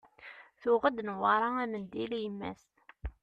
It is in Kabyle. Tuɣ-d Newwara amendil i yemma-s.